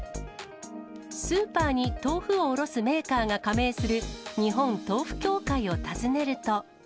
スーパーに豆腐を卸すメーカーが加盟する日本豆腐協会を訪ねると。